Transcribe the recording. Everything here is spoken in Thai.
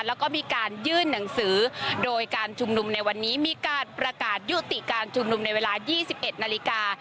แล้วก็มีการยื่นหนังสือโดยการชุมนุมในวันนี้มีการประกาศยุติการชุมนุมในเวลา๒๑นาฬิกา